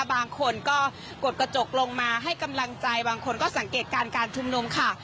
บางคนก็กดกระจกลงมาให้กำลังใจบางคนก็สังเกตการณ์การชุมนุมค่ะ